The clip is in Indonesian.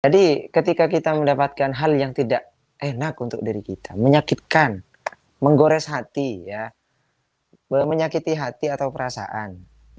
jadi ketika kita mendapatkan hal yang tidak enak untuk diri kita menyakitkan menggores hati menyakiti hati atau perasaan